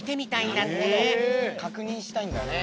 かくにんしたいんだね。